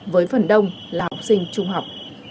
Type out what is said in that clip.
với phần đông là học sinh trung học